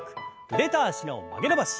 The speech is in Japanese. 腕と脚の曲げ伸ばし。